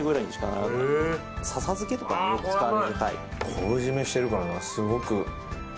昆布締めしてるからすごく食感が。